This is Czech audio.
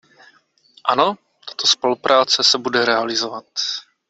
Ano, tato spolupráce se bude realizovat.